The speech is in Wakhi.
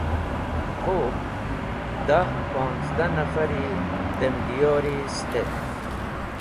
Khub, dah ponzdah nafari dem diyori stet.